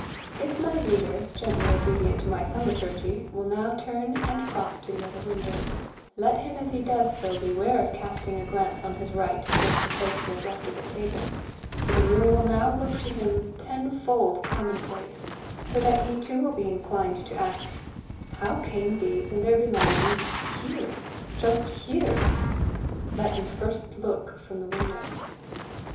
If my reader, gently obedient to my thaumaturgy, will now turn and cross to the other window, let him as he does so beware of casting a glance on his right towards the place he has left at the table, for the room will now look to him tenfold commonplace, so that he too will be inclined to ask, "How come these and their belongings HERE just HERE?" let him first look from the window.